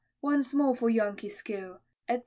once more for Yankee skill, etc.